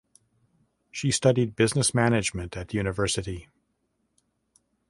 She studied Business Management at university.